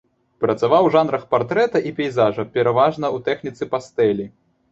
Працаваў у жанрах партрэта і пейзажа, пераважна ў тэхніцы пастэлі.